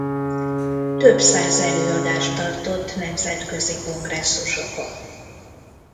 Több száz előadást tartott nemzetközi kongresszusokon.